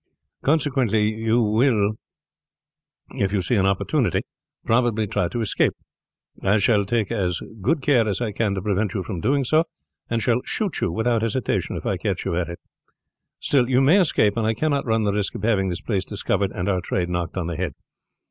Consequently you will if you see an opportunity probably try to escape. I shall take as good care as I can to prevent you from doing so, and shall shoot you without hesitation if I catch you at it. Still you may escape, and I cannot run the risk of having this place discovered and our trade knocked on the head.